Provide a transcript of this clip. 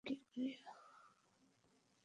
আমাদের কাজ চলিবে কী করিয়া?